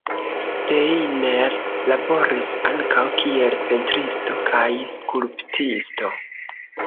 Steiner laboris ankaŭ kiel pentristo kaj skulptisto.